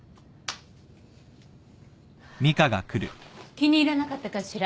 気に入らなかったかしら？